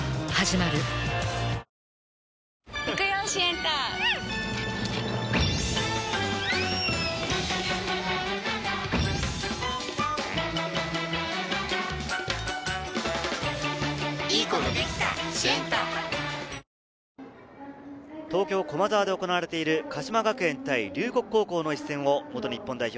チョコレートもやっぱり明治東京・駒沢で行われている鹿島学園対龍谷高校の一戦を元日本代表